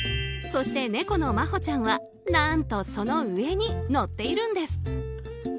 そして猫のまほちゃんは何とその上に乗っているんです。